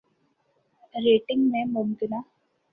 rating میں ممکنہ